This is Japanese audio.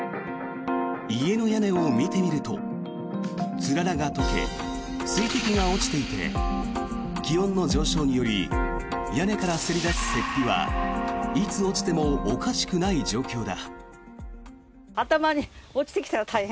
家の屋根を見てみるとつららが解け水滴が落ちていて気温の上昇により屋根からせり出す雪庇はいつ落ちてもおかしくない状況だ。